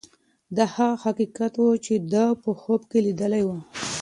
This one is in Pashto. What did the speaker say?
دا هغه حقیقت و چې ده په خوب کې لیدلی و.